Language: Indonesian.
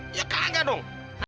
ya kaget dong